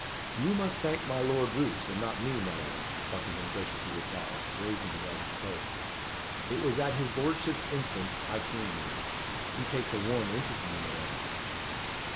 "You must thank my Lord Roos, and not me, Madame," Buckingham graciously replied, raising her as he spoke. "It was at his lordship's instance I came here. He takes a warm interest in you, Madame."